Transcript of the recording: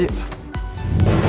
kita sampai jumpa lagi